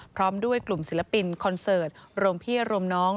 พร้อมด้วยกลุ่มศิลปินคอนเสิร์ตรวมพี่รวมน้อง